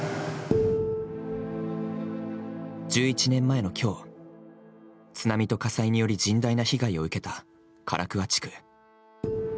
１１年前の今日、津波と火災により甚大な被害を受けた唐桑地区。